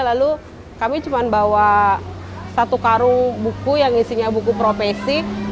lalu kami cuma bawa satu karung buku yang isinya buku profesi